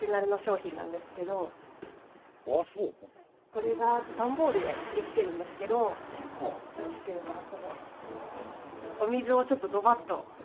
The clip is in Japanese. これが段ボールでできてるんですけどよろしければこのお水をちょっとドバッと。